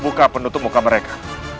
buka penutup muka mereka